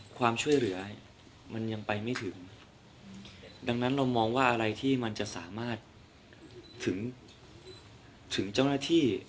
ความช่วยเหลือมันยังไปไม่ถึงดังนั้นเรามองว่าอะไรที่มันจะสามารถถึงถึงเจ้าหน้าที่